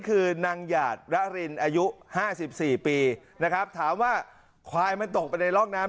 คือนางหยาดระรินอายุ๕๔ปีนะครับถามว่าควายมันตกไปในลอกน้ำ